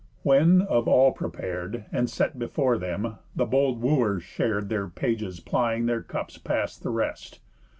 When, of all prepar'd And set before them, the bold wooers shar'd, Their pages plying their cups past the rest.